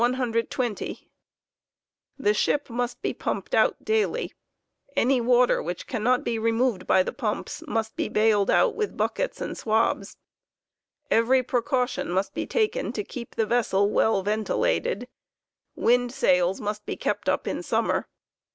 The ship must be pumped out daily; any water which cannot be removed by ^ventilation, thfe pumps must be bailed out with buckets and swabs. Every precaution must be *" taken to keep the vessel well ventilated; windsails must be kept up in summer.